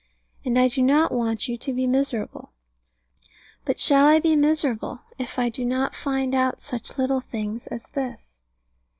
And I do not want you to be miserable. But shall I be miserable if I do not find out such little things as this.